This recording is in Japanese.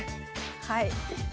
はい。